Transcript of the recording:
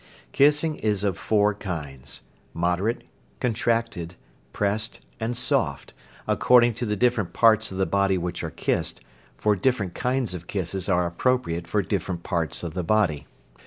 Kissing is of four kinds, viz., moderate, contracted, pressed, and soft, according to the different parts of the body which are kissed, for different kinds of kisses are appropriate for different parts of the body.